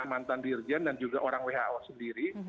mantan dirjen dan juga orang who sendiri